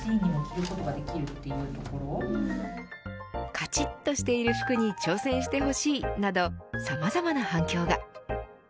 カチッとしている服に挑戦してほしいなどさまざまな反響が。